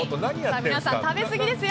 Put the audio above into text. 皆さん食べすぎですよ！